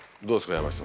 山下さん。